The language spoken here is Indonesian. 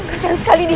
orang sekaria ini